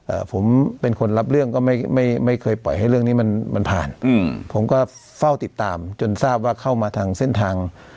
เอ่อผมเป็นคนรับเรื่องก็ไม่ไม่ไม่เคยปล่อยให้เรื่องนี้มันมันผ่านอืมผมก็เฝ้าติดตามจนทราบว่าเข้ามาทางเส้นทาง